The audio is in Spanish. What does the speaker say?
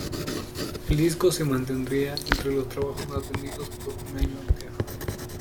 El disco se mantendría entre los trabajos más vendidos por un año entero.